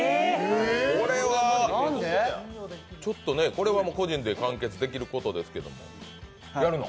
これは個人で完結できることですけど、やるの？